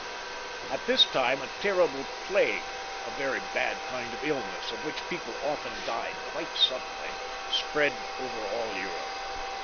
At this time a terrible plague, a very bad kind of illness, of which people often died quite suddenly, spread over all Europe.